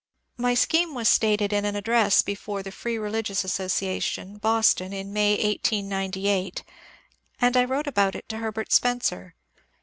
My scheme was stated in an address before the Free Religious Association, Boston, in May 1898, and I wrote about it to Herbert Spencer.